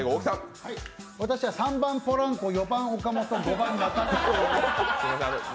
私は３番ポランコ４番岡本５番中田で。